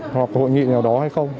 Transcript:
hoặc hội nghị nào đó hay không